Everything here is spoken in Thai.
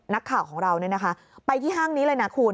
นักข่าวของเราไปที่ห้างนี้เลยนะคุณ